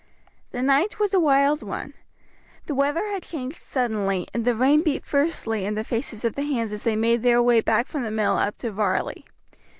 The night was a wild one. The weather had changed suddenly, and the rain beat fiercely in the faces of the hands as they made their way back from the mill up to Varley.